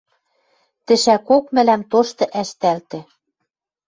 Тӹшӓкок мӹлӓм тошты ӓштӓлтӹ